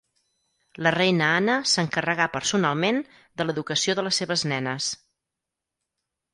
La reina Anna s'encarregà personalment de l'educació de les seves nenes.